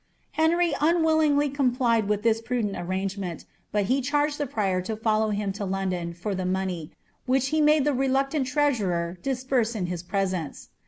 Henry unwillingly complied with ihis prudent wrangemeiit, but he chared ilie prior lo follow him to Lonilon for th« money, which he made ihe reljciant treasurer disburse in his presence.